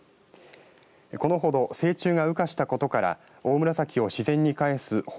このほど成虫が羽化したことからオオムラサキを自然に帰す放